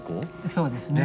そうですね。